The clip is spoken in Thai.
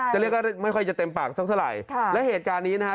เรียกว่าไม่ค่อยจะเต็มปากสักเท่าไหร่ค่ะและเหตุการณ์นี้นะฮะ